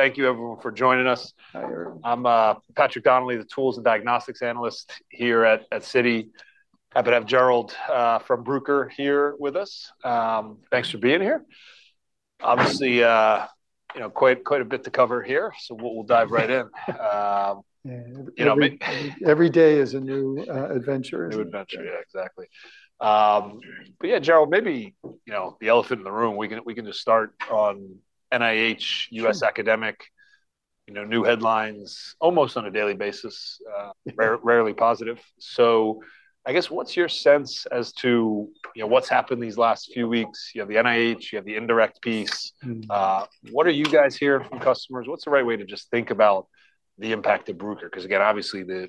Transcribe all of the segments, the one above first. Thank you, everyone, for joining us. Hi everyone. I'm Patrick Donnelly, the tools and diagnostics analyst here at Citi. Happy to have Gerald from Bruker here with us. Thanks for being here. Obviously, you know, quite a bit to cover here, so we'll dive right in. Every day is a new adventure. New adventure, yeah, exactly. But yeah, Gerald, maybe the elephant in the room, we can just start on NIH, U.S. academic, new headlines almost on a daily basis, rarely positive. So I guess what's your sense as to what's happened these last few weeks? You have the NIH, you have the indirect piece. What are you guys hearing from customers? What's the right way to just think about the impact of Bruker? Because again, obviously the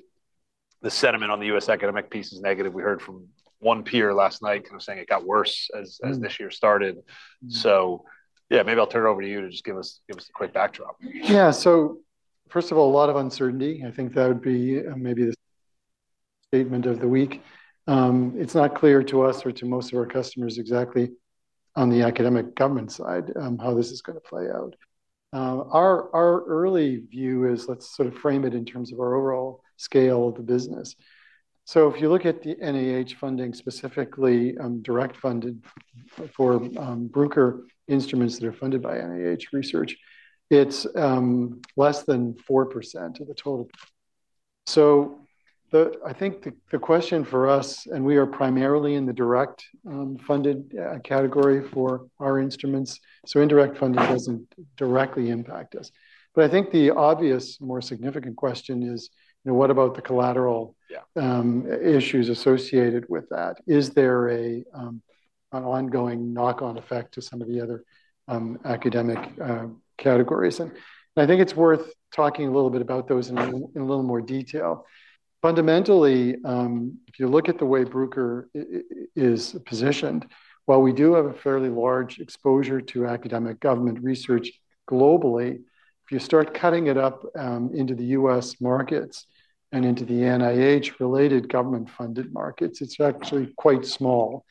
sentiment on the U.S. academic piece is negative. We heard from one peer last night kind of saying it got worse as this year started. So yeah, maybe I'll turn it over to you to just give us a quick backdrop. Yeah, so first of all, a lot of uncertainty. I think that would be maybe the statement of the week. It's not clear to us or to most of our customers exactly on the academic government side how this is going to play out. Our early view is let's sort of frame it in terms of our overall scale of the business. So if you look at the NIH funding, specifically direct funded for Bruker instruments that are funded by NIH research, it's less than 4% of the total. So I think the question for us, and we are primarily in the direct funded category for our instruments, so indirect funding doesn't directly impact us. But I think the obvious, more significant question is what about the collateral issues associated with that? Is there an ongoing knock-on effect to some of the other academic categories? And I think it's worth talking a little bit about those in a little more detail. Fundamentally, if you look at the way Bruker is positioned, while we do have a fairly large exposure to academic government research globally, if you start cutting it up into the U.S. markets and into the NIH-related government-funded markets, it's actually quite small.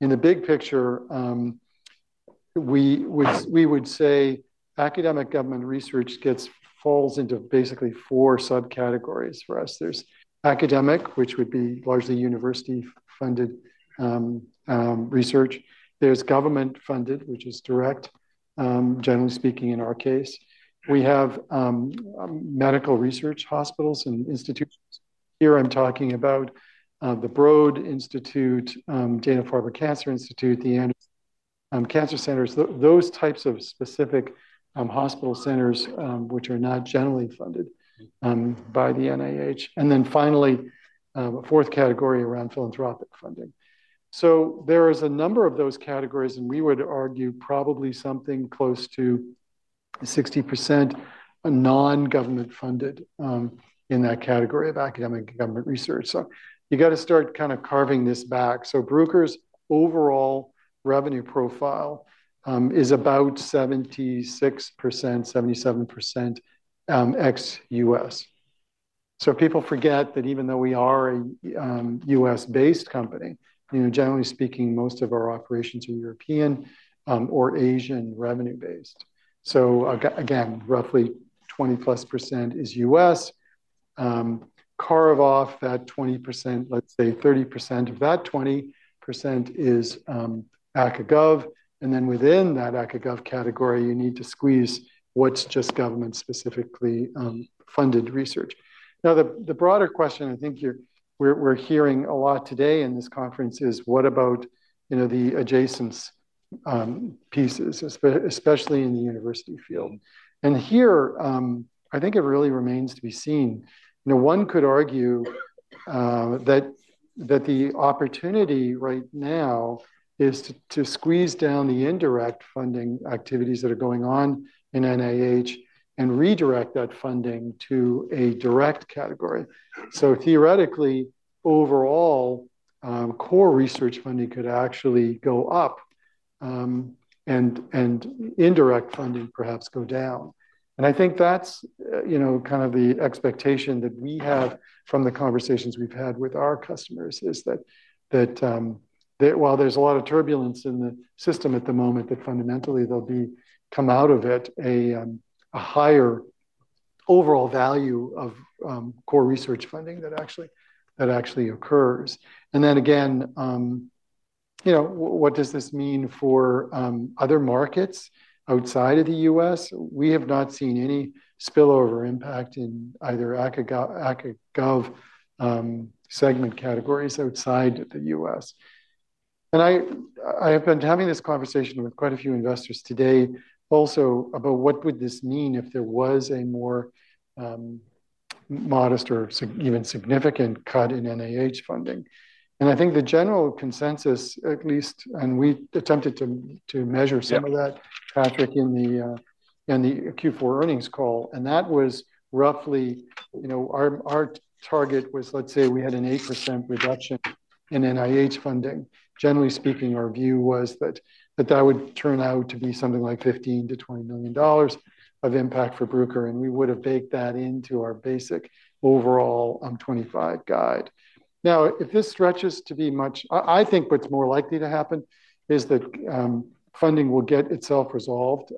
In the big picture, we would say academic government research falls into basically four subcategories for us. There's academic, which would be largely university-funded research. There's government-funded, which is direct, generally speaking in our case. We have medical research hospitals and institutions. Here I'm talking about the Broad Institute, Dana-Farber Cancer Institute, the Anderson Cancer Centers, those types of specific hospital centers which are not generally funded by the NIH. And then finally, a fourth category around philanthropic funding. So there is a number of those categories, and we would argue probably something close to 60% non-government funded in that category of academic government research. So you got to start kind of carving this back. So Bruker's overall revenue profile is about 76%, 77% ex-U.S. So people forget that even though we are a U.S.-based company, generally speaking, most of our operations are European or Asian revenue-based. So again, roughly 20-plus% is U.S. Carve off that 20%, let's say 30% of that 20% is academic government research. And then within that academic government research category, you need to squeeze what's just government-specifically funded research. Now, the broader question I think we're hearing a lot today in this conference is what about the adjacent pieces, especially in the university field? And here, I think it really remains to be seen. One could argue that the opportunity right now is to squeeze down the indirect funding activities that are going on in NIH and redirect that funding to a direct category. So theoretically, overall, core research funding could actually go up and indirect funding perhaps go down. And I think that's kind of the expectation that we have from the conversations we've had with our customers is that while there's a lot of turbulence in the system at the moment, that fundamentally there'll come out of it a higher overall value of core research funding that actually occurs. And then again, what does this mean for other markets outside of the U.S.? We have not seen any spillover impact in either academic government research segment categories outside the U.S. I have been having this conversation with quite a few investors today also about what would this mean if there was a more modest or even significant cut in NIH funding. I think the general consensus, at least, and we attempted to measure some of that, Patrick, in the Q4 earnings call, and that was roughly our target was. Let's say we had an 8% reduction in NIH funding. Generally speaking, our view was that that would turn out to be something like $15-$20 million of impact for Bruker, and we would have baked that into our basic overall 25 guide. Now, if this stretches to be much, I think what's more likely to happen is that funding will get itself resolved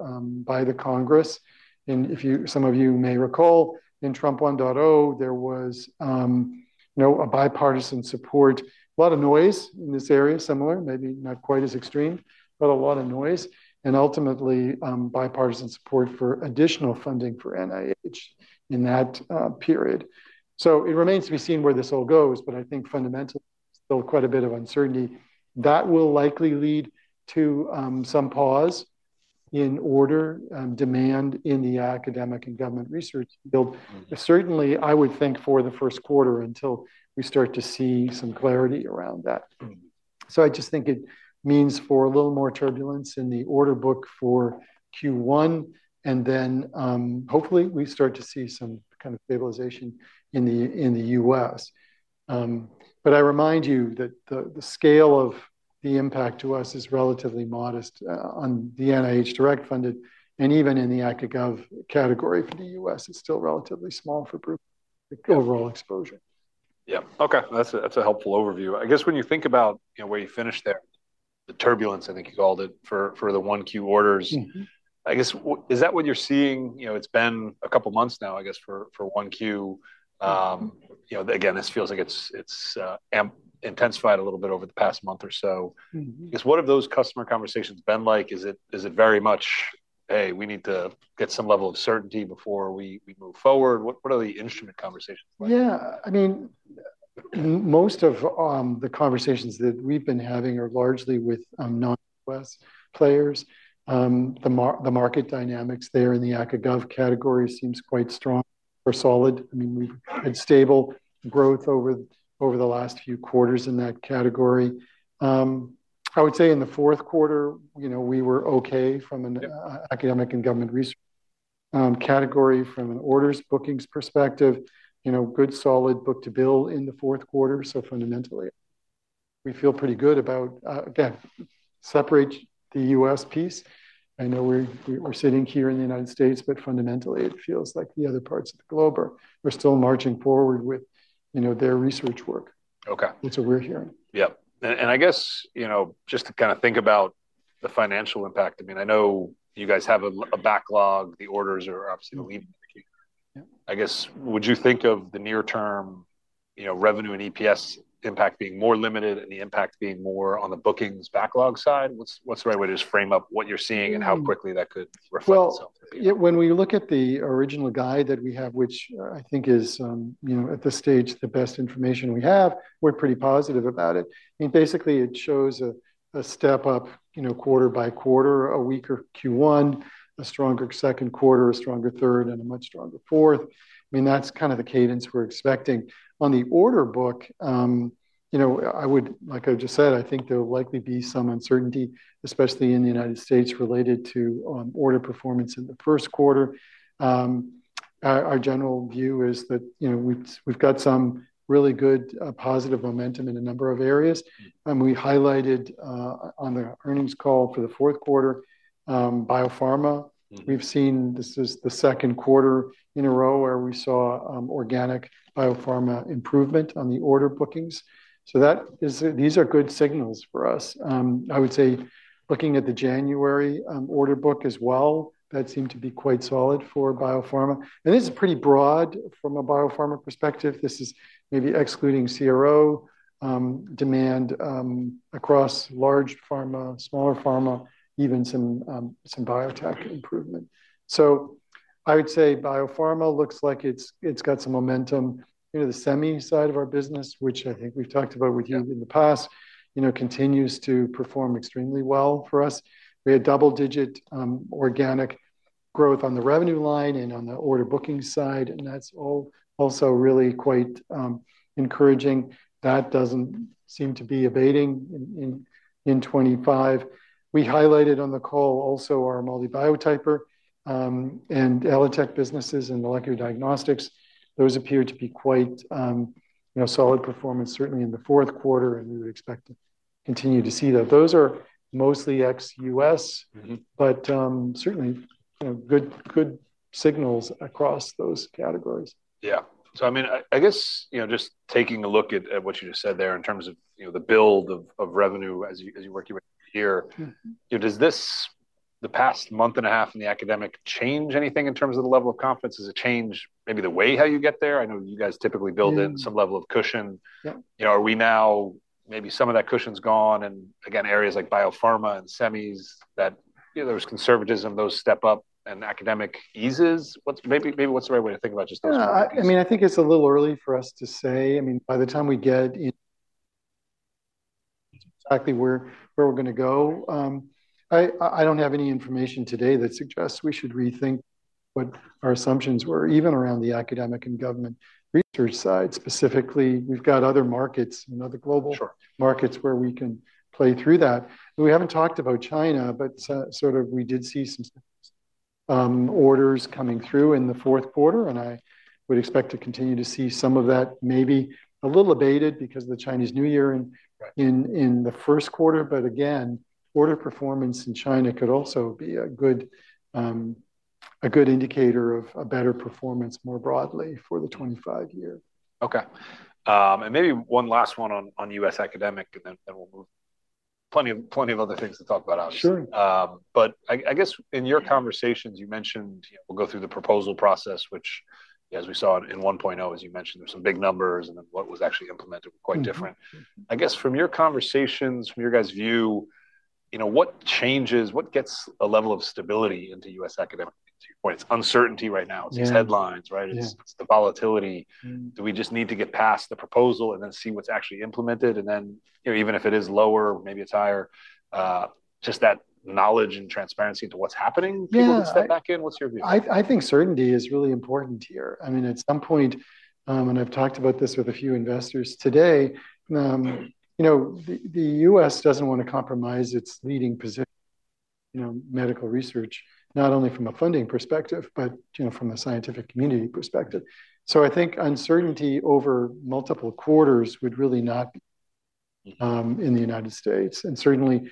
by Congress. And some of you may recall in Trump 1.0, there was a bipartisan support, a lot of noise in this area, similar, maybe not quite as extreme, but a lot of noise, and ultimately bipartisan support for additional funding for NIH in that period. So it remains to be seen where this all goes, but I think fundamentally still quite a bit of uncertainty. That will likely lead to some pause in order demand in the academic and government research field. Certainly, I would think for the first quarter until we start to see some clarity around that. So I just think it means for a little more turbulence in the order book for Q1, and then hopefully we start to see some kind of stabilization in the US. But I remind you that the scale of the impact to us is relatively modest on the NIH direct funded, and even in the academic government research category for the U.S., it's still relatively small for Bruker overall exposure. Yeah, okay. That's a helpful overview. I guess when you think about where you finished there, the turbulence, I think you called it, for the 1Q orders, I guess is that what you're seeing? It's been a couple of months now, I guess, for 1Q. Again, this feels like it's intensified a little bit over the past month or so. I guess what have those customer conversations been like? Is it very much, hey, we need to get some level of certainty before we move forward? What are the instrument conversations like? Yeah, I mean, most of the conversations that we've been having are largely with non-U.S. players. The market dynamics there in the academic government research category seems quite strong or solid. I mean, we've had stable growth over the last few quarters in that category. I would say in the fourth quarter, we were okay from an academic and government research category. From an orders bookings perspective, good, solid book-to-bill in the fourth quarter. So fundamentally, we feel pretty good about, again, separate the U.S. piece. I know we're sitting here in the United States, but fundamentally it feels like the other parts of the globe are still marching forward with their research work. That's what we're hearing. Yeah. And I guess just to kind of think about the financial impact, I mean, I know you guys have a backlog. The orders are obviously leading the way. I guess would you think of the near-term revenue and EPS impact being more limited and the impact being more on the bookings backlog side? What's the right way to just frame up what you're seeing and how quickly that could reflect itself? When we look at the original guide that we have, which I think is at this stage the best information we have, we're pretty positive about it. I mean, basically it shows a step up quarter by quarter, a weaker Q1, a stronger second quarter, a stronger third, and a much stronger fourth. I mean, that's kind of the cadence we're expecting. On the order book, I would, like I just said, I think there'll likely be some uncertainty, especially in the United States related to order performance in the first quarter. Our general view is that we've got some really good positive momentum in a number of areas. We highlighted on the earnings call for the fourth quarter, biopharma. We've seen this is the second quarter in a row where we saw organic biopharma improvement on the order bookings. So these are good signals for us. I would say looking at the January order book as well, that seemed to be quite solid for biopharma, and this is pretty broad from a biopharma perspective. This is maybe excluding CRO demand across large pharma, smaller pharma, even some biotech improvement, so I would say biopharma looks like it's got some momentum into the semi side of our business, which I think we've talked about with you in the past, continues to perform extremely well for us. We had double-digit organic growth on the revenue line and on the order booking side, and that's all also really quite encouraging. That doesn't seem to be abating in 2025. We highlighted on the call also our MALDI Biotyper and ELITech businesses and molecular diagnostics. Those appear to be quite solid performance, certainly in the fourth quarter, and we would expect to continue to see that. Those are mostly ex-US, but certainly good signals across those categories. Yeah. So I mean, I guess just taking a look at what you just said there in terms of the build of revenue as you're working with here, does this the past month and a half in the academic change anything in terms of the level of confidence? Does it change maybe the way how you get there? I know you guys typically build in some level of cushion. Are we now maybe some of that cushion's gone? And again, areas like biopharma and semis, that there was conservatism, those step up and academic eases. Maybe what's the right way to think about just those? Yeah, I mean, I think it's a little early for us to say. I mean, by the time we get exactly where we're going to go, I don't have any information today that suggests we should rethink what our assumptions were even around the academic and government research side specifically. We've got other markets, other global markets where we can play through that. We haven't talked about China, but sort of we did see some orders coming through in the fourth quarter, and I would expect to continue to see some of that maybe a little abated because of the Chinese New Year in the first quarter. But again, order performance in China could also be a good indicator of a better performance more broadly for the 2025 year. Okay. And maybe one last one on U.S. academic, and then we'll move plenty of other things to talk about, obviously. Sure. But I guess in your conversations, you mentioned we'll go through the proposal process, which as we saw in 1.0, as you mentioned, there's some big numbers and then what was actually implemented were quite different. I guess from your conversations, from your guys' view, what changes, what gets a level of stability into U.S. academic? It's uncertainty right now. It's these headlines, right? It's the volatility. Do we just need to get past the proposal and then see what's actually implemented? And then even if it is lower, maybe it's higher, just that knowledge and transparency into what's happening, people can step back in. What's your view? I think certainty is really important here. I mean, at some point, and I've talked about this with a few investors today, the U.S. doesn't want to compromise its leading position in medical research, not only from a funding perspective, but from a scientific community perspective. So I think uncertainty over multiple quarters would really not be in the United States. And certainly,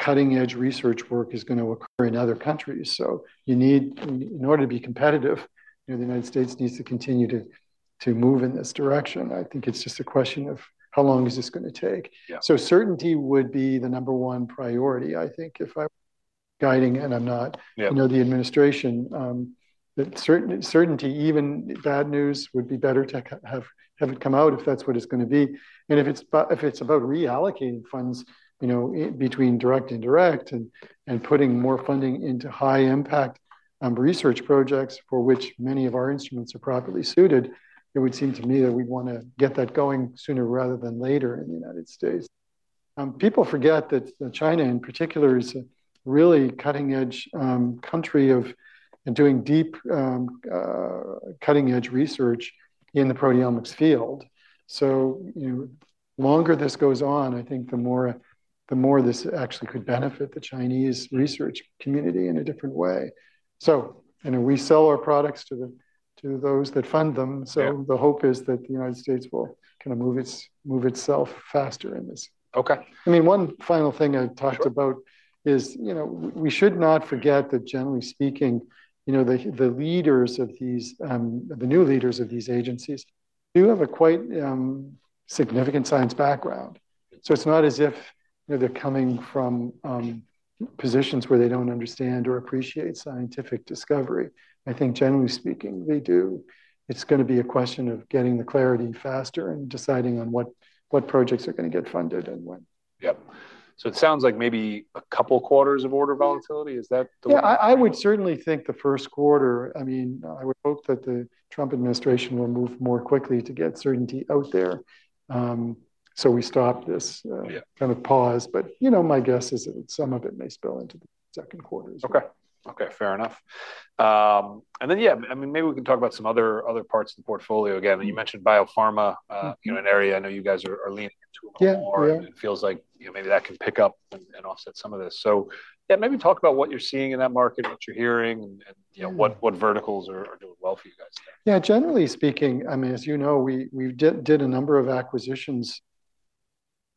cutting-edge research work is going to occur in other countries. So you need, in order to be competitive, the United States needs to continue to move in this direction. I think it's just a question of how long is this going to take. So certainty would be the number one priority, I think, if I'm guiding and I'm not the administration, that certainty, even bad news, would be better to have it come out if that's what it's going to be. If it's about reallocating funds between direct and indirect and putting more funding into high-impact research projects for which many of our instruments are properly suited, it would seem to me that we'd want to get that going sooner rather than later in the United States. People forget that China in particular is a really cutting-edge country and doing deep cutting-edge research in the proteomics field. The longer this goes on, I think the more this actually could benefit the Chinese research community in a different way. So we sell our products to those that fund them. So the hope is that the United States will kind of move itself faster in this. I mean, one final thing I talked about is we should not forget that generally speaking, the new leaders of these agencies do have a quite significant science background. So it's not as if they're coming from positions where they don't understand or appreciate scientific discovery. I think generally speaking, they do. It's going to be a question of getting the clarity faster and deciding on what projects are going to get funded and when. Yep. So it sounds like maybe a couple quarters of order volatility. Is that the way? Yeah, I would certainly think the first quarter. I mean, I would hope that the Trump administration will move more quickly to get certainty out there so we stop this kind of pause. But my guess is that some of it may spill into the second quarter. Okay. Okay, fair enough. And then, yeah, I mean, maybe we can talk about some other parts of the portfolio. Again, you mentioned biopharma, an area I know you guys are leaning into a lot more. It feels like maybe that can pick up and offset some of this. So yeah, maybe talk about what you're seeing in that market, what you're hearing, and what verticals are doing well for you guys there. Yeah, generally speaking, I mean, as you know, we did a number of acquisitions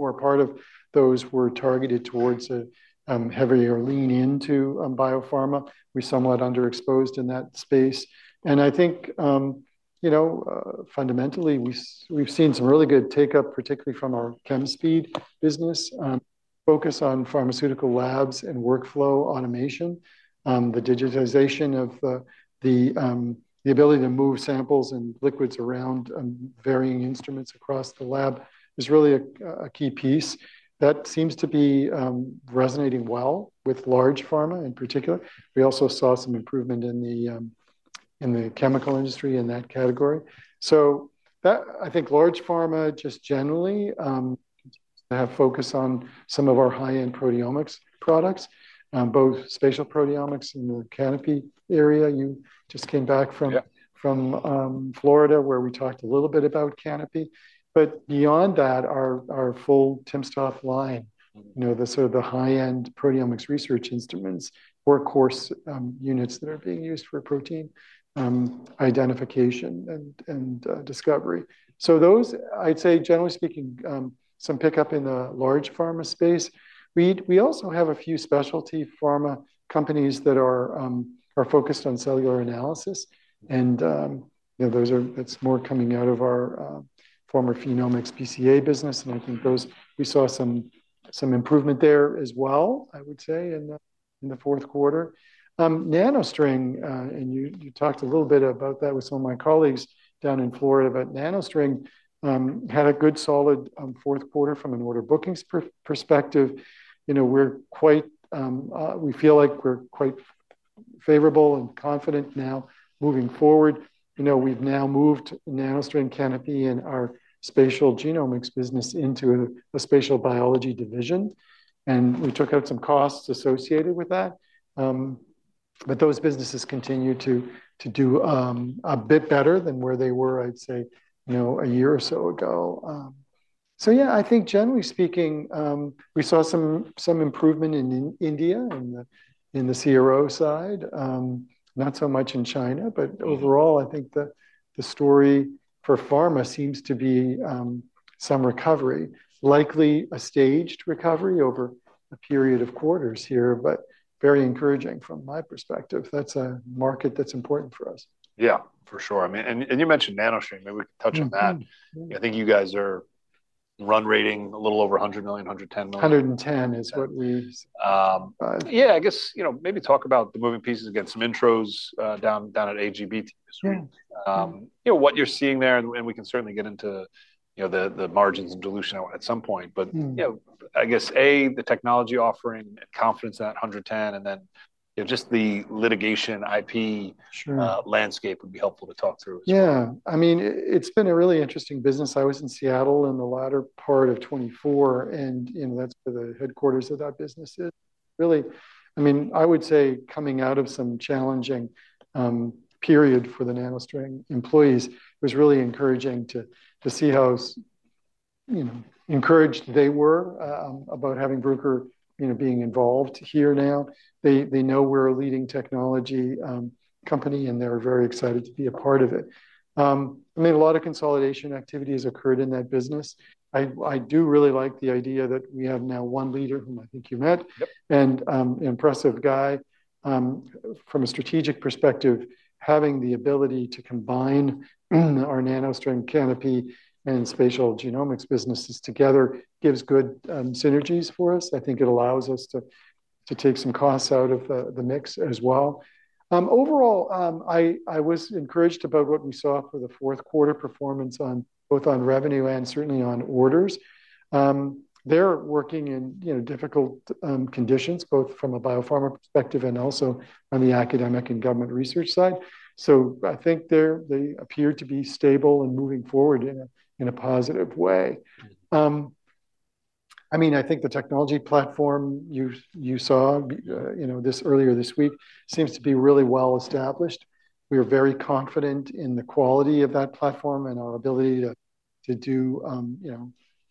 where part of those were targeted towards a heavier lean into biopharma. We're somewhat underexposed in that space. And I think fundamentally we've seen some really good take-up, particularly from our Chemspeed business, focus on pharmaceutical labs and workflow automation. The digitization of the ability to move samples and liquids around varying instruments across the lab is really a key piece that seems to be resonating well with large pharma in particular. We also saw some improvement in the chemical industry in that category. So I think large pharma just generally have focus on some of our high-end proteomics products, both spatial proteomics and the Canopy area. You just came back from Florida where we talked a little bit about Canopy. But beyond that, our full timsTOF line, the sort of the high-end proteomics research instruments, workhorse units that are being used for protein identification and discovery. So those, I'd say generally speaking, some pickup in the large pharma space. We also have a few specialty pharma companies that are focused on cellular analysis. And those are, that's more coming out of our former PhenomeX BCA business. And I think we saw some improvement there as well, I would say, in the fourth quarter. NanoString, and you talked a little bit about that with some of my colleagues down in Florida, but NanoString had a good solid fourth quarter from an order bookings perspective. We feel like we're quite favorable and confident now moving forward. We've now moved NanoString Canopy and our Spatial Genomics business into a spatial biology division. And we took out some costs associated with that. But those businesses continue to do a bit better than where they were, I'd say, a year or so ago. So yeah, I think generally speaking, we saw some improvement in India and in the CRO side, not so much in China. But overall, I think the story for pharma seems to be some recovery, likely a staged recovery over a period of quarters here, but very encouraging from my perspective. That's a market that's important for us. Yeah, for sure. I mean, and you mentioned NanoString, maybe we could touch on that. I think you guys are run rate a little over $100 million, $110 million. 110 is what we. Yeah, I guess maybe talk about the moving pieces, again, some intros down at AGBT Street. What you're seeing there, and we can certainly get into the margins and dilution at some point, but I guess, A, the technology offering and confidence at 110, and then just the litigation IP landscape would be helpful to talk through as well. Yeah. I mean, it's been a really interesting business. I was in Seattle in the latter part of 2024, and that's where the headquarters of that business is. Really, I mean, I would say coming out of some challenging period for the NanoString employees, it was really encouraging to see how encouraged they were about having Bruker being involved here now. They know we're a leading technology company, and they're very excited to be a part of it. I mean, a lot of consolidation activity has occurred in that business. I do really like the idea that we have now one leader whom I think you met, an impressive guy. From a strategic perspective, having the ability to combine our NanoString Canopy and Spatial Genomics businesses together gives good synergies for us. I think it allows us to take some costs out of the mix as well. Overall, I was encouraged about what we saw for the fourth quarter performance on both on revenue and certainly on orders. They're working in difficult conditions, both from a biopharma perspective and also on the academic and government research side. So I think they appear to be stable and moving forward in a positive way. I mean, I think the technology platform you saw earlier this week seems to be really well established. We are very confident in the quality of that platform and our ability to do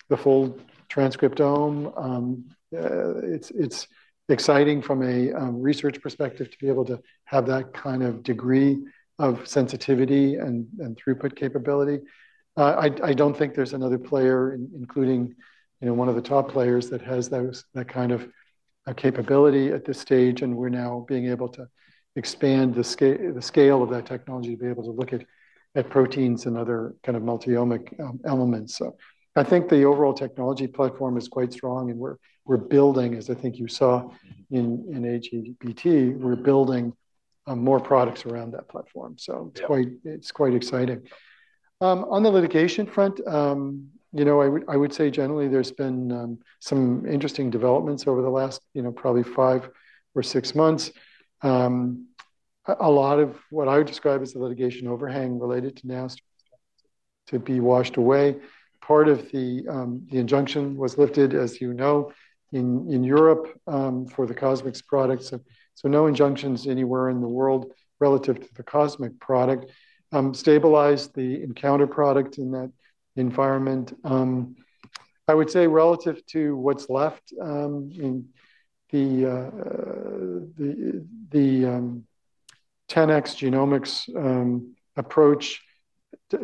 the full transcriptome. It's exciting from a research perspective to be able to have that kind of degree of sensitivity and throughput capability. I don't think there's another player, including one of the top players that has that kind of capability at this stage, and we're now being able to expand the scale of that technology to be able to look at proteins and other kind of multi-omic elements. So I think the overall technology platform is quite strong, and we're building, as I think you saw in AGBT, we're building more products around that platform. So it's quite exciting. On the litigation front, I would say generally there's been some interesting developments over the last probably five or six months. A lot of what I would describe as the litigation overhang related to NanoString to be washed away. Part of the injunction was lifted, as you know, in Europe for the CosMx products. So no injunctions anywhere in the world relative to the CosMx product. Stabilized the nCounter product in that environment. I would say relative to what's left, the 10x Genomics approach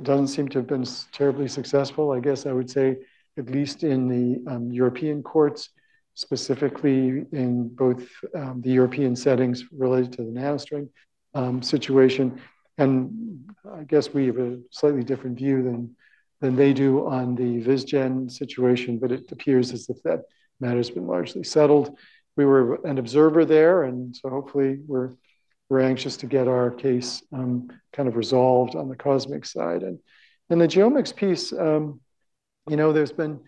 doesn't seem to have been terribly successful. I guess I would say at least in the European courts, specifically in both the European settings related to the NanoString situation. And I guess we have a slightly different view than they do on the Vizgen situation, but it appears as if that matter has been largely settled. We were an observer there, and so hopefully we're anxious to get our case kind of resolved on the CosMx side. And the genomics piece, there's been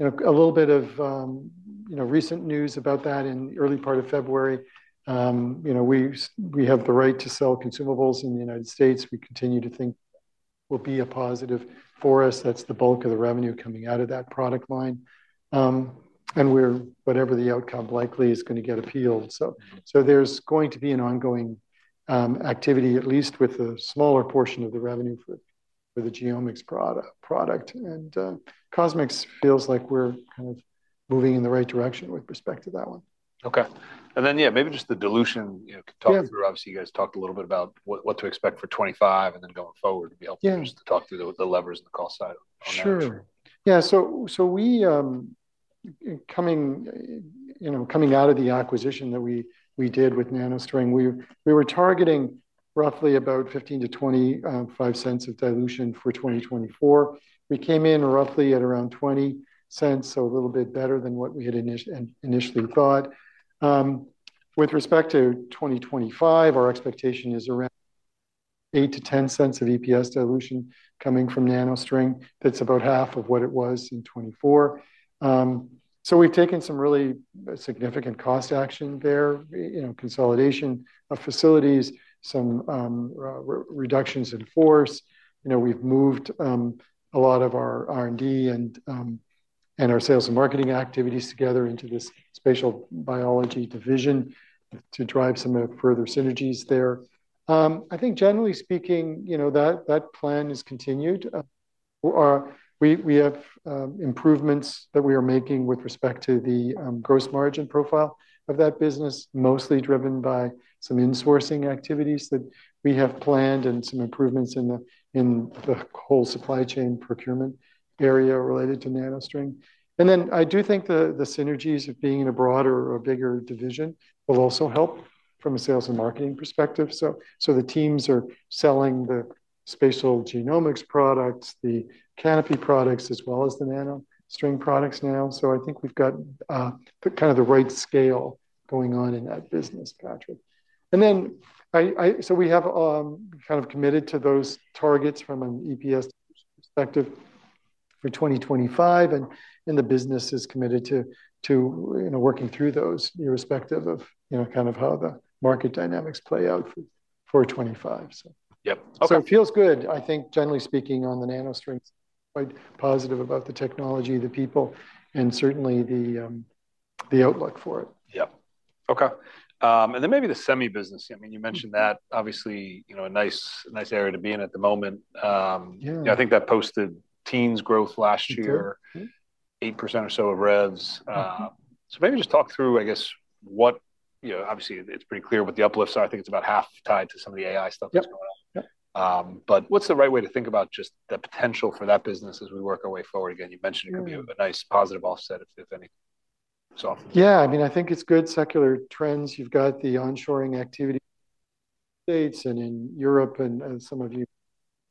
a little bit of recent news about that in the early part of February. We have the right to sell consumables in the United States. We continue to think will be a positive for us. That's the bulk of the revenue coming out of that product line. And whatever the outcome likely is going to get appealed. So there's going to be an ongoing activity, at least with a smaller portion of the revenue for the genomics product. And CosMx feels like we're kind of moving in the right direction with respect to that one. Okay, and then, yeah, maybe just the dilution. Talking through, obviously, you guys talked a little bit about what to expect for 2025 and then going forward. It'd be helpful just to talk through the levers and the cost side on that. Sure. Yeah. So coming out of the acquisition that we did with NanoString, we were targeting roughly about $0.15-$0.25 of dilution for 2024. We came in roughly at around $0.20, so a little bit better than what we had initially thought. With respect to 2025, our expectation is around $0.08-$0.10 of EPS dilution coming from NanoString. That's about half of what it was in 2024. So we've taken some really significant cost action there, consolidation of facilities, some reductions in force. We've moved a lot of our R&D and our sales and marketing activities together into this spatial biology division to drive some of the further synergies there. I think generally speaking, that plan has continued. We have improvements that we are making with respect to the gross margin profile of that business, mostly driven by some insourcing activities that we have planned and some improvements in the whole supply chain procurement area related to NanoString. And then I do think the synergies of being in a broader or a bigger division will also help from a sales and marketing perspective. So the teams are selling the spatial genomics products, the Canopy products, as well as the NanoString products now. So I think we've got kind of the right scale going on in that business, Patrick. And then so we have kind of committed to those targets from an EPS perspective for 2025, and the business is committed to working through those irrespective of kind of how the market dynamics play out for 2025. So it feels good. I think generally speaking on the NanoString, quite positive about the technology, the people, and certainly the outlook for it. Yep. Okay. And then maybe the semi business. I mean, you mentioned that obviously a nice area to be in at the moment. I think that posted teens growth last year, 8% or so of revs. So maybe just talk through, I guess, what obviously it's pretty clear what the uplifts are. I think it's about half tied to some of the AI stuff that's going on. But what's the right way to think about just the potential for that business as we work our way forward? Again, you mentioned it could be a nice positive offset, if any. Yeah. I mean, I think it's good secular trends. You've got the onshoring activity in the United States and in Europe, and as some of you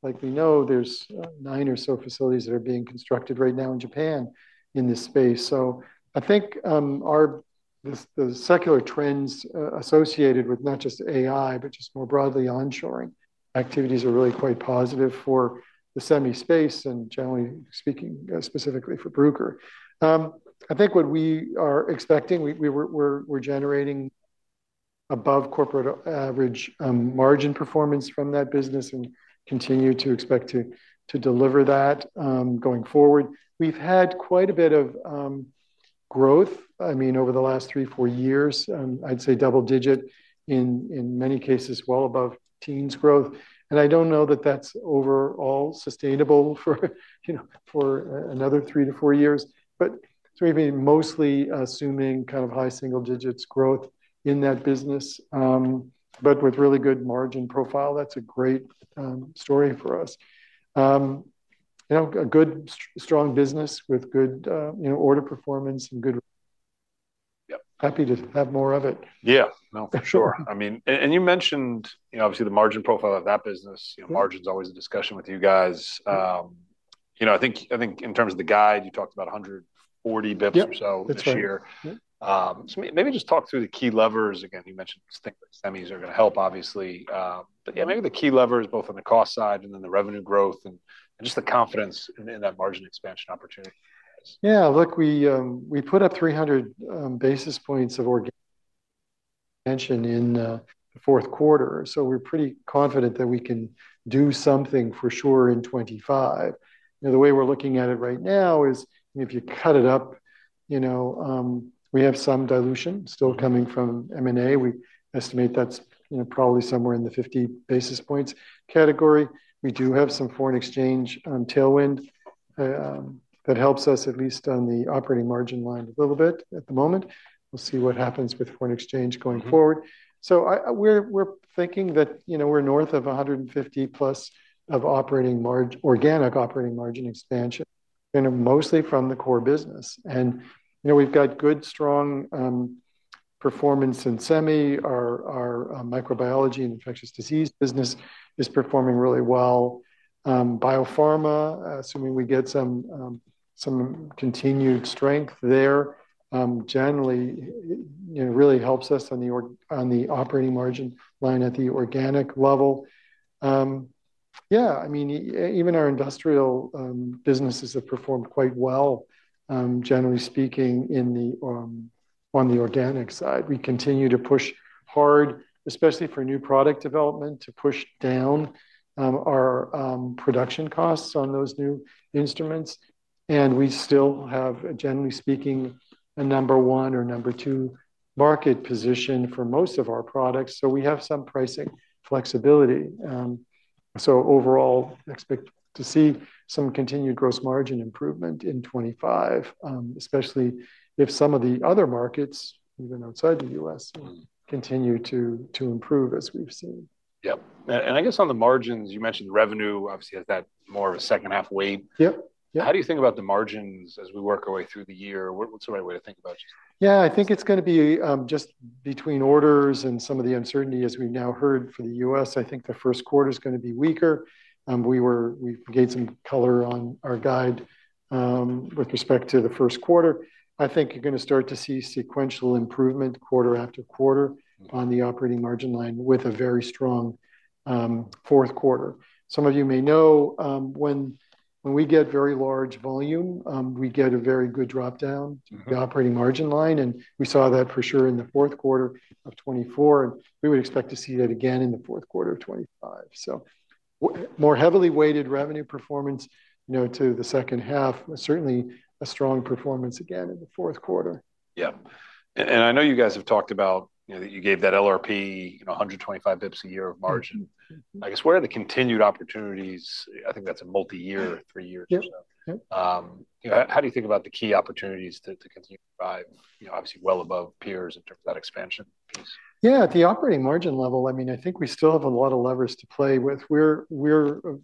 likely know, there's nine or so facilities that are being constructed right now in Japan in this space. I think the secular trends associated with not just AI, but just more broadly onshoring activities are really quite positive for the semi space and generally speaking, specifically for Bruker. I think what we are expecting, we're generating above corporate average margin performance from that business and continue to expect to deliver that going forward. We've had quite a bit of growth, I mean, over the last three, four years. I'd say double digit in many cases, well above teens growth. I don't know that that's overall sustainable for another three to four years, but maybe mostly assuming kind of high single digits growth in that business, but with really good margin profile. That's a great story for us. A good strong business with good order performance and good. Yep. Happy to have more of it. Yeah. No, for sure. I mean, and you mentioned obviously the margin profile of that business. Margin's always a discussion with you guys. I think in terms of the guide, you talked about 140 basis points or so this year. So maybe just talk through the key levers. Again, you mentioned things like semis are going to help, obviously. But yeah, maybe the key levers both on the cost side and then the revenue growth and just the confidence in that margin expansion opportunity. Yeah. Look, we put up 300 basis points of organic expansion in the fourth quarter. So we're pretty confident that we can do something for sure in 2025. The way we're looking at it right now is if you cut it up, we have some dilution still coming from M&A. We estimate that's probably somewhere in the 50 basis points category. We do have some foreign exchange tailwind that helps us at least on the operating margin line a little bit at the moment. We'll see what happens with foreign exchange going forward. So we're thinking that we're north of 150 plus of organic operating margin expansion, mostly from the core business. And we've got good strong performance in semi. Our microbiology and infectious disease business is performing really well. Biopharma, assuming we get some continued strength there, generally really helps us on the operating margin line at the organic level. Yeah. I mean, even our industrial businesses have performed quite well, generally speaking, on the organic side. We continue to push hard, especially for new product development, to push down our production costs on those new instruments. And we still have, generally speaking, a number one or number two market position for most of our products. So we have some pricing flexibility, so overall, expect to see some continued gross margin improvement in 2025, especially if some of the other markets, even outside the U.S., continue to improve as we've seen. Yep. And I guess on the margins, you mentioned revenue, obviously has that more of a second half weight. Yep. How do you think about the margins as we work our way through the year? What's the right way to think about it? Yeah. I think it's going to be just between orders and some of the uncertainty as we've now heard for the U.S., I think the first quarter is going to be weaker. We gained some color on our guide with respect to the first quarter. I think you're going to start to see sequential improvement quarter after quarter on the operating margin line with a very strong fourth quarter. Some of you may know when we get very large volume, we get a very good drop down to the operating margin line. And we saw that for sure in the fourth quarter of 2024. And we would expect to see that again in the fourth quarter of 2025. So more heavily weighted revenue performance to the second half, certainly a strong performance again in the fourth quarter. Yep. And I know you guys have talked about that you gave that LRP 125 basis points a year of margin. I guess where are the continued opportunities? I think that's a multi-year, three years or so. How do you think about the key opportunities to continue to drive, obviously well above peers in terms of that expansion piece? Yeah. At the operating margin level, I mean, I think we still have a lot of levers to play with. We're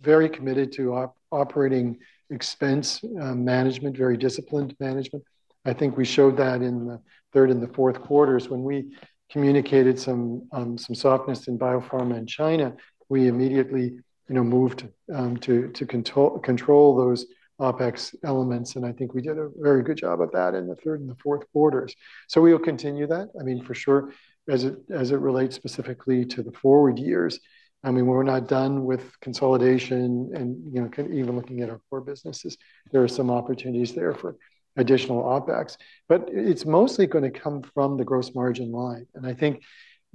very committed to operating expense management, very disciplined management. I think we showed that in the third and the fourth quarters when we communicated some softness in biopharma in China. We immediately moved to control those OpEx elements, and I think we did a very good job of that in the third and the fourth quarters, so we will continue that, I mean, for sure, as it relates specifically to the forward years. I mean, we're not done with consolidation and even looking at our core businesses. There are some opportunities there for additional OpEx, but it's mostly going to come from the gross margin line, and I think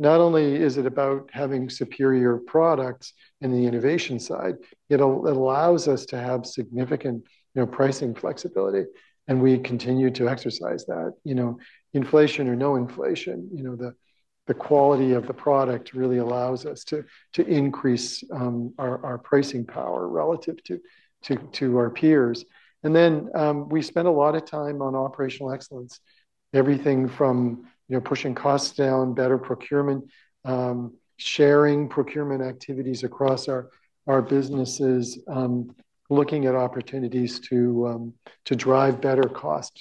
not only is it about having superior products in the innovation side, it allows us to have significant pricing flexibility. We continue to exercise that. Inflation or no inflation, the quality of the product really allows us to increase our pricing power relative to our peers. And then we spend a lot of time on operational excellence, everything from pushing costs down, better procurement, sharing procurement activities across our businesses, looking at opportunities to drive better cost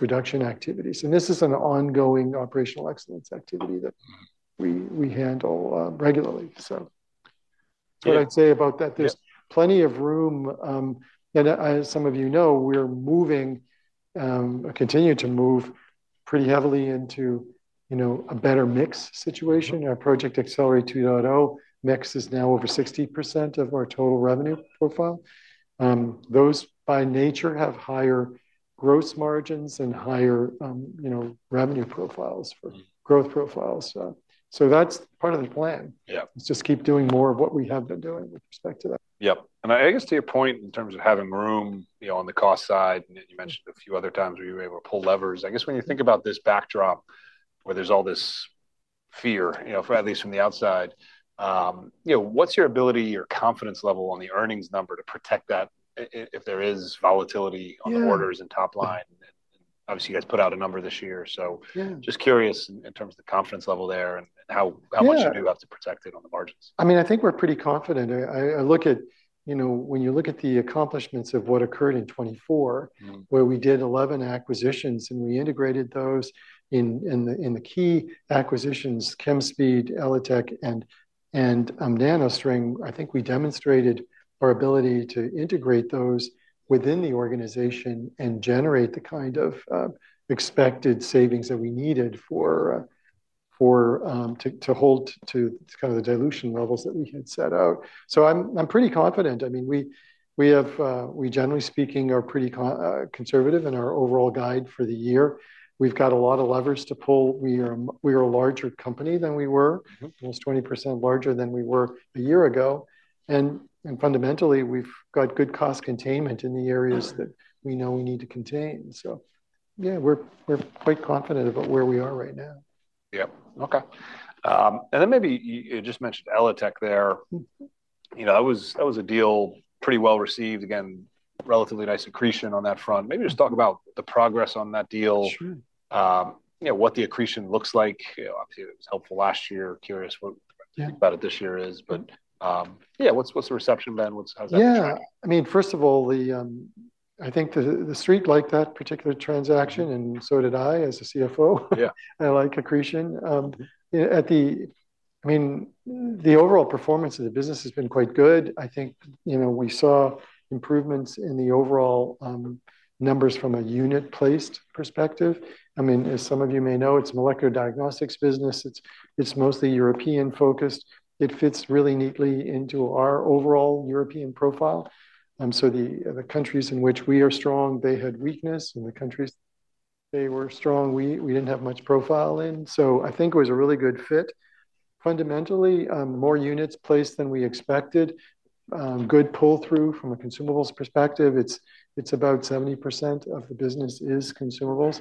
reduction activities. And this is an ongoing operational excellence activity that we handle regularly. So what I'd say about that, there's plenty of room. And as some of you know, we're moving or continue to move pretty heavily into a better mix situation. Our Project Accelerate 2.0 mix is now over 60% of our total revenue profile. Those by nature have higher gross margins and higher revenue profiles for growth profiles. So that's part of the plan. Let's just keep doing more of what we have been doing with respect to that. Yep, and I guess to your point in terms of having room on the cost side, you mentioned a few other times we were able to pull levers. I guess when you think about this backdrop where there's all this fear, at least from the outside, what's your ability or confidence level on the earnings number to protect that if there is volatility on the orders and top line? Obviously, you guys put out a number this year, so just curious in terms of the confidence level there and how much you do have to protect it on the margins. I mean, I think we're pretty confident. I look at when you look at the accomplishments of what occurred in 2024, where we did 11 acquisitions and we integrated those in the key acquisitions, Chemspeed, ELITech, and NanoString, I think we demonstrated our ability to integrate those within the organization and generate the kind of expected savings that we needed to hold to kind of the dilution levels that we had set out. So I'm pretty confident. I mean, we generally speaking are pretty conservative in our overall guide for the year. We've got a lot of levers to pull. We are a larger company than we were, almost 20% larger than we were a year ago. And fundamentally, we've got good cost containment in the areas that we know we need to contain. So yeah, we're quite confident about where we are right now. Yep. Okay. And then maybe you just mentioned ELITechGroup there. That was a deal pretty well received. Again, relatively nice accretion on that front. Maybe just talk about the progress on that deal, what the accretion looks like. Obviously, it was helpful last year. Curious what about it this year is. But yeah, what's the reception been? How's that been? Yeah. I mean, first of all, I think the street liked that particular transaction, and so did I as a CFO. I like accretion. I mean, the overall performance of the business has been quite good. I think we saw improvements in the overall numbers from a unit placed perspective. I mean, as some of you may know, it's a molecular diagnostics business. It's mostly European focused. It fits really neatly into our overall European profile. So the countries in which we are strong, they had weakness. In the countries they were strong, we didn't have much profile in. So I think it was a really good fit. Fundamentally, more units placed than we expected. Good pull-through from a consumables perspective. It's about 70% of the business is consumables.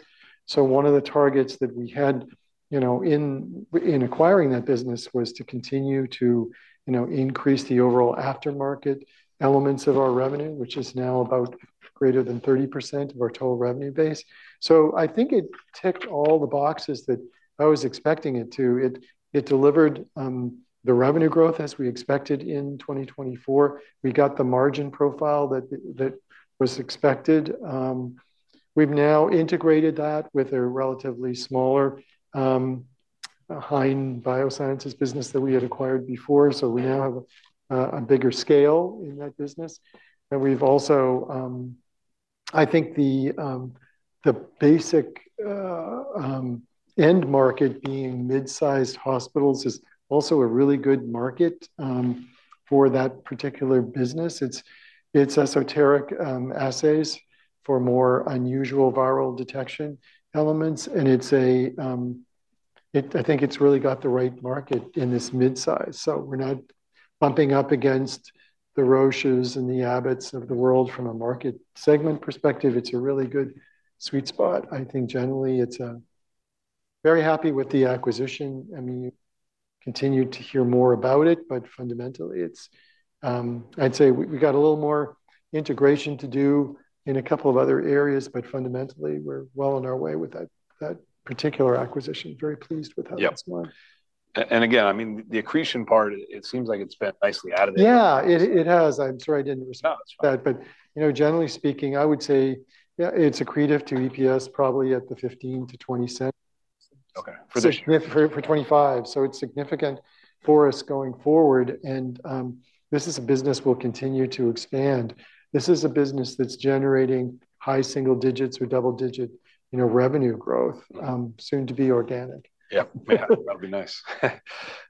One of the targets that we had in acquiring that business was to continue to increase the overall aftermarket elements of our revenue, which is now about greater than 30% of our total revenue base. I think it ticked all the boxes that I was expecting it to. It delivered the revenue growth as we expected in 2024. We got the margin profile that was expected. We've now integrated that with a relatively smaller Hain Lifescience business that we had acquired before. We now have a bigger scale in that business. We've also, I think the basic end market being mid-sized hospitals is also a really good market for that particular business. It's esoteric assays for more unusual viral detection elements. I think it's really got the right market in this mid-size. So we're not bumping up against the Roches and the Abbotts of the world from a market segment perspective. It's a really good sweet spot. I think generally it's very happy with the acquisition. I mean, you continue to hear more about it, but fundamentally, I'd say we got a little more integration to do in a couple of other areas, but fundamentally, we're well on our way with that particular acquisition. Very pleased with how it's gone. Again, I mean, the accretion part, it seems like it's been nicely out of there. Yeah, it has. I'm sorry I didn't respond to that. But generally speaking, I would say it's accretive to EPS probably at the $0.15-$0.20. Okay. For the. For 25, so it's significant for us going forward, and this is a business we'll continue to expand. This is a business that's generating high single digits or double-digit revenue growth soon to be organic. Yep. Yeah. That'll be nice.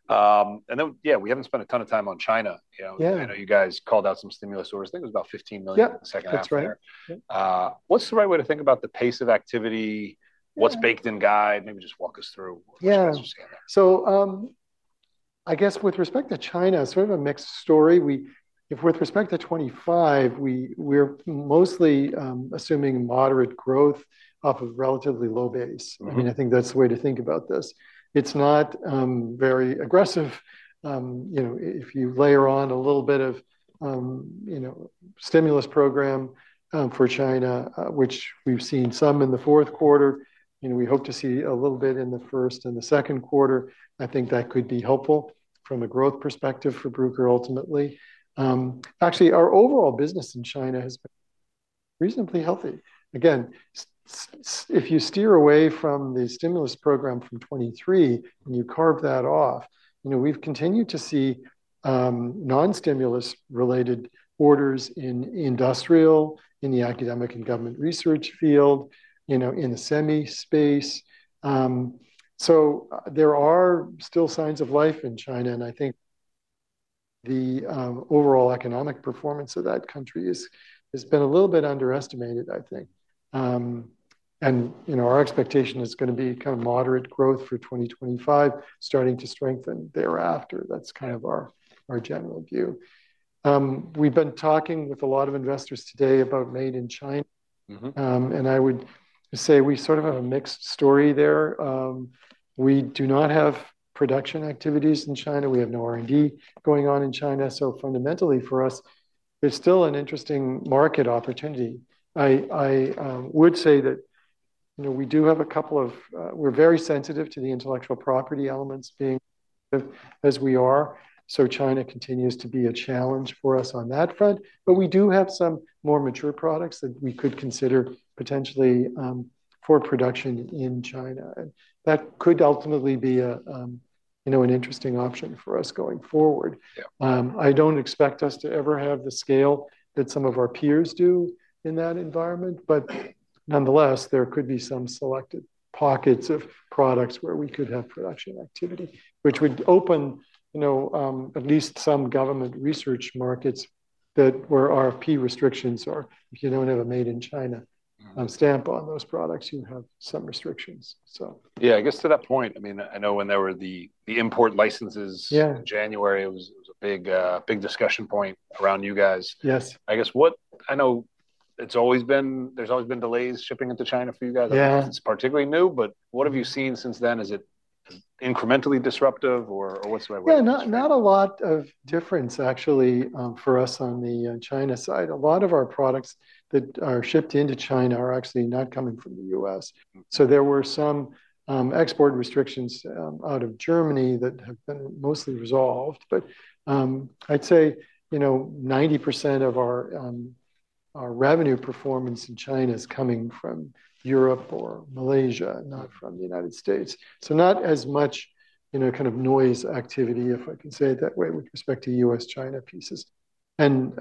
And then, yeah, we haven't spent a ton of time on China. I know you guys called out some stimulus orders. I think it was about $15 million second half there. Yeah. That's right. What's the right way to think about the pace of activity? What's baked in guide? Maybe just walk us through what you guys are seeing there. Yeah. So I guess with respect to China, sort of a mixed story. With respect to 2025, we're mostly assuming moderate growth off of relatively low base. I mean, I think that's the way to think about this. It's not very aggressive. If you layer on a little bit of stimulus program for China, which we've seen some in the fourth quarter, we hope to see a little bit in the first and the second quarter. I think that could be helpful from a growth perspective for Bruker ultimately. Actually, our overall business in China has been reasonably healthy. Again, if you steer away from the stimulus program from 2023 and you carve that off, we've continued to see non-stimulus related orders in industrial, in the academic and government research field, in the semi space. So there are still signs of life in China. I think the overall economic performance of that country has been a little bit underestimated, I think. Our expectation is going to be kind of moderate growth for 2025, starting to strengthen thereafter. That's kind of our general view. We've been talking with a lot of investors today about made in China. I would say we sort of have a mixed story there. We do not have production activities in China. We have no R&D going on in China. So fundamentally for us, there's still an interesting market opportunity. I would say that we're very sensitive to the intellectual property elements being as we are. So China continues to be a challenge for us on that front. But we do have some more mature products that we could consider potentially for production in China. And that could ultimately be an interesting option for us going forward. I don't expect us to ever have the scale that some of our peers do in that environment. But nonetheless, there could be some selected pockets of products where we could have production activity, which would open at least some government research markets where RFP restrictions are. If you don't have a made in China stamp on those products, you have some restrictions. So. Yeah. I guess to that point, I mean, I know when there were the import licenses in January, it was a big discussion point around you guys. I guess what I know it's always been there's always been delays shipping into China for you guys. It's particularly new. But what have you seen since then? Is it incrementally disruptive or what's the right way to describe it? Yeah. Not a lot of difference actually for us on the China side. A lot of our products that are shipped into China are actually not coming from the U.S. So there were some export restrictions out of Germany that have been mostly resolved. But I'd say 90% of our revenue performance in China is coming from Europe or Malaysia, not from the United States. So not as much kind of noise activity, if I can say it that way, with respect to U.S.-China pieces. And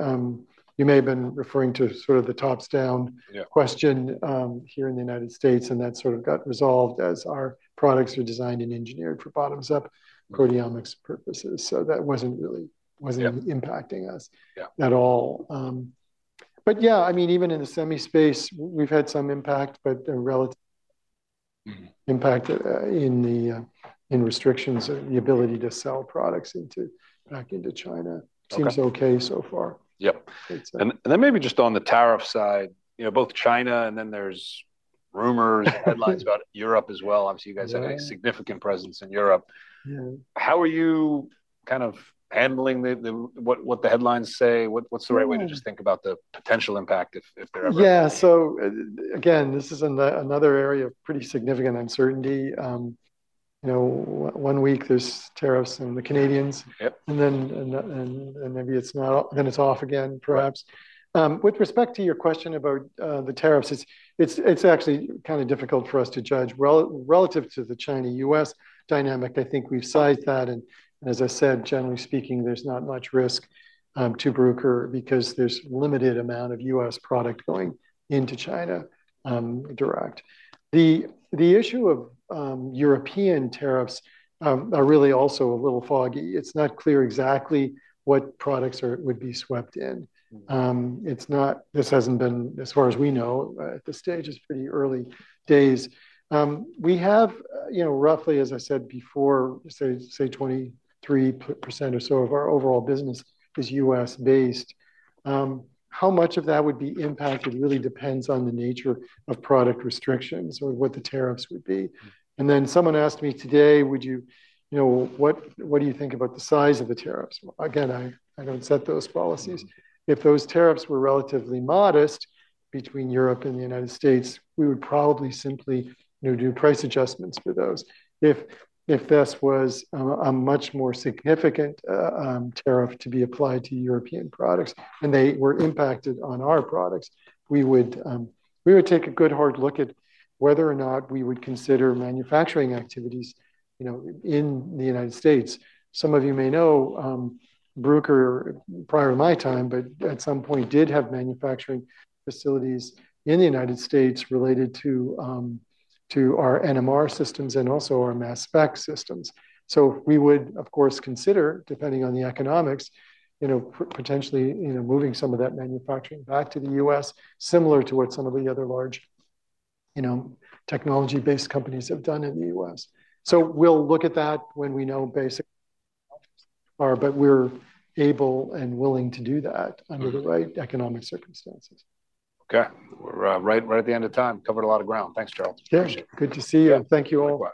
you may have been referring to sort of the top-down question here in the United States. And that sort of got resolved as our products are designed and engineered for bottoms-up proteomics purposes. So that wasn't really impacting us at all. But yeah, I mean, even in the semi space, we've had some impact, but a relative impact in restrictions or the ability to sell products back into China seems okay so far. Yep, and then maybe just on the tariff side, both China and then there's rumors and headlines about Europe as well. Obviously, you guys have a significant presence in Europe. How are you kind of handling what the headlines say? What's the right way to just think about the potential impact if there ever is? Yeah. So again, this is another area of pretty significant uncertainty. One week there's tariffs on Canada, and then maybe it's not, then it's off again perhaps. With respect to your question about the tariffs, it's actually kind of difficult for us to judge. Relative to the China-U.S. dynamic, I think we've sized that. And as I said, generally speaking, there's not much risk to Bruker because there's a limited amount of U.S. product going into China direct. The issue of European tariffs are really also a little foggy. It's not clear exactly what products would be swept in. This hasn't been, as far as we know, at this stage. It's pretty early days. We have roughly, as I said before, say 23% or so of our overall business is U.S.-based. How much of that would be impacted really depends on the nature of product restrictions or what the tariffs would be, and then someone asked me today, "What do you think about the size of the tariffs?" Again, I don't set those policies. If those tariffs were relatively modest between Europe and the United States, we would probably simply do price adjustments for those. If this was a much more significant tariff to be applied to European products and they were impacted on our products, we would take a good hard look at whether or not we would consider manufacturing activities in the United States. Some of you may know Bruker prior to my time, but at some point did have manufacturing facilities in the United States related to our NMR systems and also our mass spec systems. So we would, of course, consider depending on the economics, potentially moving some of that manufacturing back to the U.S., similar to what some of the other large technology-based companies have done in the U.S. So we'll look at that when we know basically what our products are, but we're able and willing to do that under the right economic circumstances. Okay. We're right at the end of time. Covered a lot of ground. Thanks, Gerald. Good to see you. Thank you all.